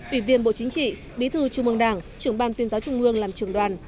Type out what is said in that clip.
ủy viên bộ chính trị bí thư trung mương đảng trưởng ban tuyên giáo trung mương làm trưởng đoàn